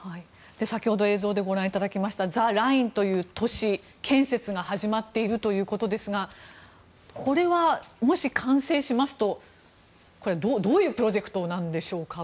先ほど映像でご覧いただきましたザ・ラインという都市建設が始まっているということですがこれはもし完成しますとどういうプロジェクトなんでしょうか。